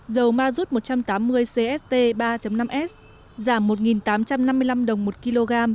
dầu mazut một trăm tám mươi cst ba năm s giảm một tám trăm năm mươi năm đồng một kg